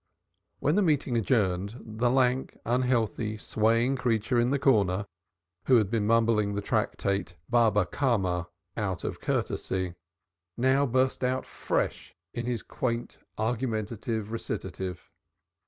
When the meeting adjourned, the lank unhealthy swaying creature in the corner, who had been mumbling the tractate Baba Kama out of courtesy, now burst out afresh in his quaint argumentative recitative.